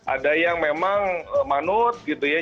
ada yang memang manut gitu ya